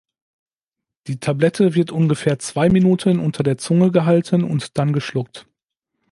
Die Tablette wird ungefähr zwei Minuten unter der Zunge gehalten und dann geschluckt.